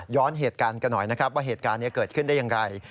เหตุการณ์กันหน่อยนะครับว่าเหตุการณ์นี้เกิดขึ้นได้อย่างไร